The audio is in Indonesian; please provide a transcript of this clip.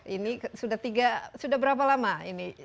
ini sudah berapa lama ini